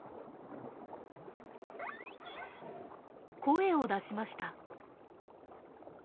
声を出しました。